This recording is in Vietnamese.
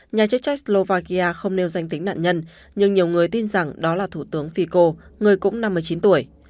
nhà chức trách slovakia không nêu danh tính nạn nhân nhưng nhiều người tin rằng đó là thủ tướng fico người cũng năm mươi chín tuổi